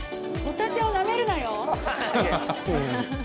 ホタテをなめるなよ。